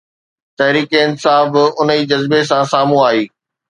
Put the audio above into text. تحريڪ انصاف به ان ئي جذبي سان سامهون آئي.